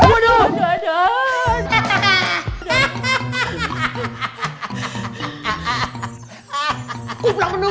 kau pelan pelan bakal semplen